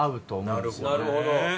なるほどね。